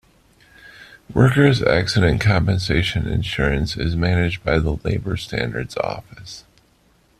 Workers' accident compensation insurance is managed by the Labor Standards Office.